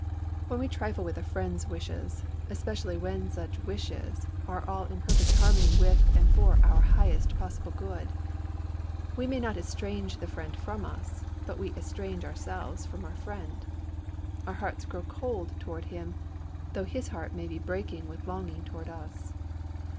When we trifle with a friend's wishes especially when such wishes are all in perfect harmony with and for our highest possible good we may not estrange the friend from us, but we estrange ourselves from our friend. Our hearts grow cold toward him, though his heart may be breaking with longing toward us.